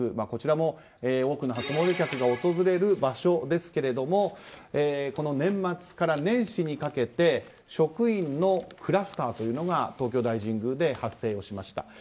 こちらも、多くの初詣客が訪れる場所ですがこの年末から年始にかけて職員のクラスターというのが東京大神宮で発生しました。